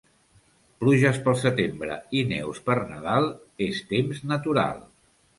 Pluges pel setembre i neus per Nadal és temps natural.